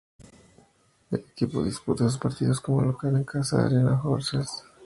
El equipo disputa sus partidos como local en el Casa Arena Horsens.